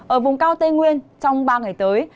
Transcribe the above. ở vùng cao tây nguyên trong ba ngày tới